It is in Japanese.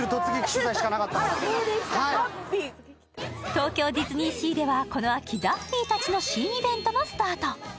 東京ディズニーシーでは、この秋、ダッフィーたちの新イベントもスタート。